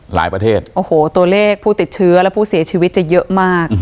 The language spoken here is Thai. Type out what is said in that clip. ประเทศโอ้โหตัวเลขผู้ติดเชื้อและผู้เสียชีวิตจะเยอะมาก